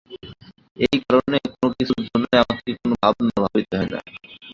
এই কারণে কোনো কিছুর জন্যই আমাকে কোনো ভাবনা ভাবিতে হয় না।